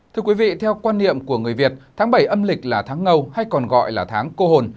thưa quý vị theo quan niệm của người việt tháng bảy âm lịch là tháng ngâu hay còn gọi là tháng cô hồn